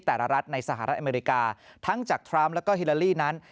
รัฐในสหรัฐอเมริกาทั้งจากทรัมป์แล้วก็ฮิลาลีนั้น